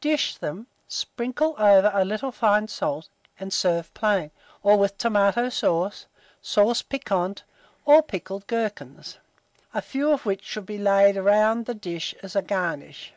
Dish them, sprinkle over a little fine salt, and serve plain, or with tomato sauce, sauce piquante, or pickled gherkins, a few of which should be laid round the dish as a garnish.